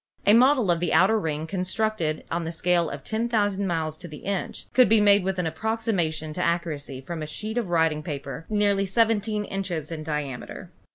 A model of the outer ring, constructed on the scale of 10,000 miles to the inch, could be made with an approximation to accuracy from a sheet of writing paper nearly seventeen inches in diameter.